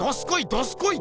どすこい！